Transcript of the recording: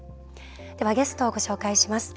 では、ゲストをご紹介します。